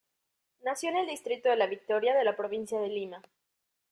Nació en el distrito de La Victoria de la Provincia de Lima.